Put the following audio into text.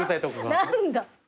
何だ。